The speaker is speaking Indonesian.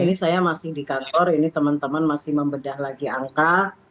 ini saya masih di kantor ini teman teman masih membedah lagi angka